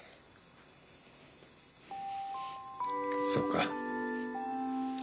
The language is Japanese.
そうか。